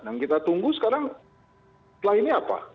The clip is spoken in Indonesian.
yang kita tunggu sekarang lainnya apa